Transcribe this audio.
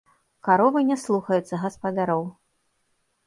Каровы не слухаюцца гаспадароў.